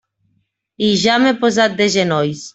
I ja m'he posat de genolls.